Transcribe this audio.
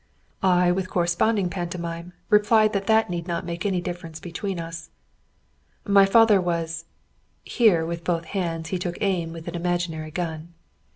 ] I with corresponding pantomime replied that that need not make any difference between us. "My father was" here with both hands he took aim with an imaginary gun.